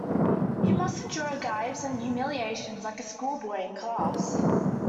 He must endure gibes and humiliations like a schoolboy in a class.